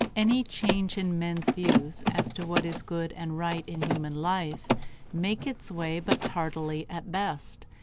Any change in men's views as to what is good and right in human life make its way but tardily at the best.